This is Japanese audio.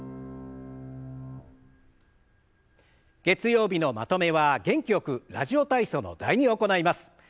月曜日のまとめは元気よく「ラジオ体操」の「第２」を行います。